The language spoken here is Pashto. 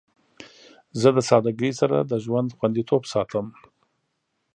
زه د سادگی سره د ژوند خوندیتوب ساتم.